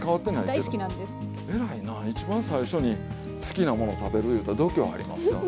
偉いな一番最初に好きなものを食べるいうたら度胸ありますよね。